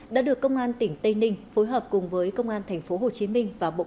đã được công an tỉnh tây ninh phối hợp cùng với công an tp hcm và bộ công an triệt phá thành công